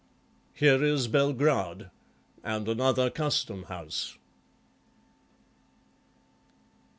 Here is Belgrad and another custom house."